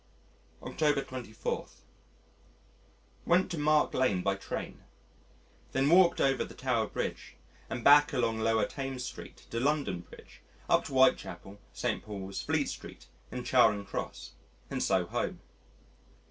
October 24. Went to Mark Lane by train, then walked over the Tower Bridge, and back along Lower Thames Street to London Bridge, up to Whitechapel, St. Paul's, Fleet Street, and Charing Cross, and so home.